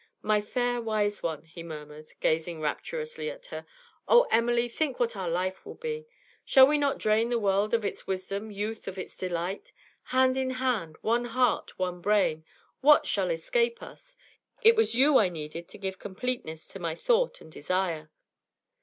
'My fair wise one!' he murmured, gazing rapturously at her. 'Oh, Emily, think what our life will be! Shall we not drain the world of its wisdom, youth of its delight! Hand in hand, one heart, one brain what shall escape us? It was you I needed to give completeness to my thought and desire.'